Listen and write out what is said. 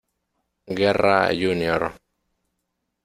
Guerra Jr.